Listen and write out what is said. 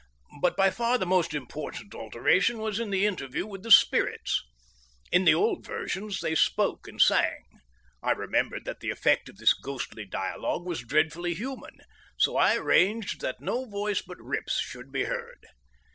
But by far the most important alteration was in the interview with the spirits. In the old versions they spoke and sang. I remembered that the effect of this ghostly dialogue was dreadfully human, so I arranged that no voice but Rip's should be heard.